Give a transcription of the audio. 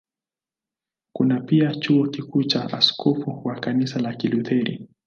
Kuna pia Chuo Kikuu na askofu wa Kanisa la Kilutheri.